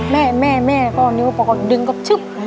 แม่ก็เอานิ้วดึงปกบกนิ้ว